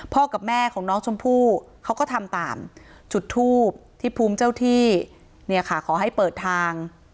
กับแม่ของน้องชมพู่เขาก็ทำตามจุดทูบที่ภูมิเจ้าที่เนี่ยค่ะขอให้เปิดทาง